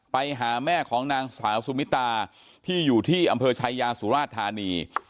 ไปหาแม่ของนางสาวสุมิตาที่อยู่ที่อำเภอชายาสุราชธานี